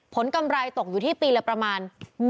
กำไรตกอยู่ที่ปีละประมาณ